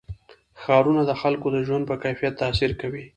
ښارونه د خلکو د ژوند په کیفیت تاثیر کوي.